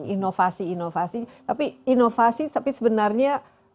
inovasi inovasi tapi inovasi tapi sebenarnya